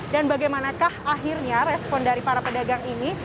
dan bagaimanakah akhirnya respon dari para pedagang ini